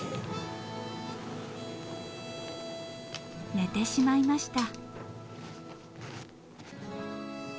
［寝てしまいました］